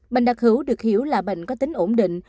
bệnh đặc hữu được hiểu là bệnh có tính ổn định